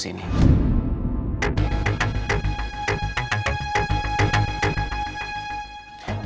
dia sudah berjaya